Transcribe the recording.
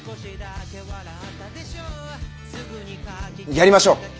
やりましょう！